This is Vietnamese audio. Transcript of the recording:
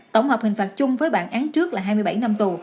tổng hợp hình phạt chung với bản án trước là hai mươi bảy năm tù